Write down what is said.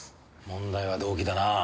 問題は動機だな。